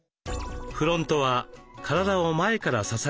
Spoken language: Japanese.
フロントは体を前から支えるライン。